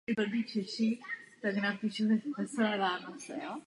V důsledku toho Nový Zéland ovládl trh s mlékem.